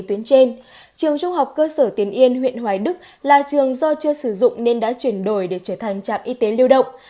tuyến trên trường trung học cơ sở tiền yên huyện hoài đức là trường do chưa sử dụng nên đã chuyển đổi để trở thành trạm y tế lưu động